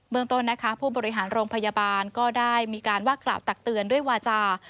เมืองต้นนะคะผู้บริหารโรงพยาบาลก็ได้มีการว่ากล่าวตักเตือนด้วยวาจา